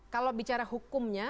kalau bicara hukumnya